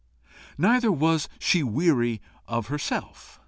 Neither was she weary of herself.